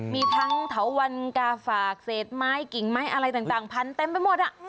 มีทั้งเถาวันกาฝากเศษไม้กิ่งไม้อะไรต่างพันเต็มไปหมด